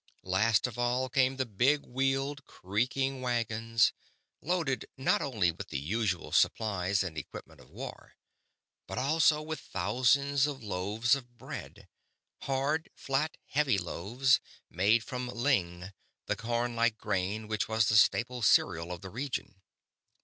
Last of all came the big wheeled, creaking wagons: loaded, not only with the usual supplies and equipment of war, but also with thousands of loaves of bread hard, flat, heavy loaves made from ling, the corn like grain which was the staple cereal of the region.